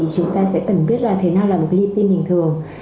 chúng ta sẽ cần biết là thế nào là một cái nhịp tim bình thường